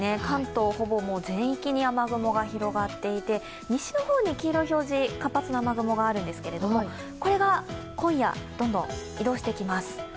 関東はほぼ全域に雨雲が広がっていて西の方に黄色い表示、活発な雨雲があるんですけれどもこれが今夜、どんどん移動してきます。